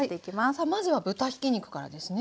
さあまずは豚ひき肉からですね？